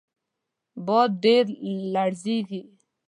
باد ډیر لږیږي